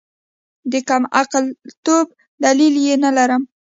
د کمعقلتوب دلیل یې نلرم.